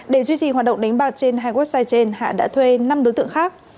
để duy trì hoạt động đánh bạc trên hai website trên hạ đã thuê năm đối tượng khác